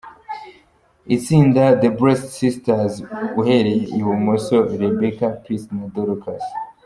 Itsinda The Blessed Sisters, uhereye ibumoso; Rebecca, Peace na Dorcas.